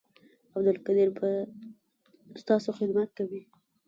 عبدالقدیر به ستاسو خدمت کوي